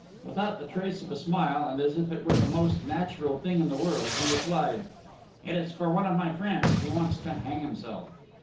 Without the trace of a smile, and as if it were the most natural thing in the world, he replied: "It is for one of my friends: he wants to hang himself!"